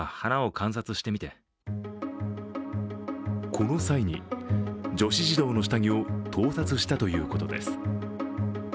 この際に、女子児童の下着を盗撮したということです。